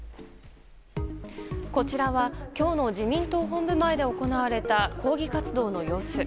こちらは今日の自民党本部前で行われた抗議活動の様子。